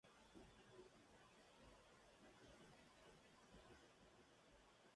Debido a su salud enfermiza, fue enviado al Ministerio de Guerra.